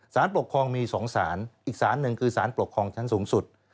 สารปกครองมี๒สารอีกสารหนึ่งคือสารปกครองชั้นสูงสุด